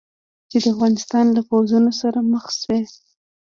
چې د افغانستان له پوځونو سره مخامخ شو.